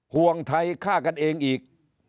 ห่วงไทยฆ่ากันเองอีก